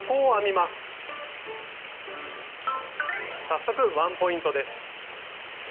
早速ワンポイントです。